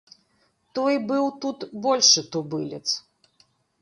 Той быў тут большы тубылец.